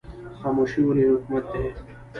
خاموشي ولې حکمت دی؟